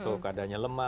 atau keadaannya lemah